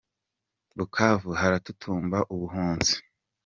Bukavu haratutumba ubuhunzi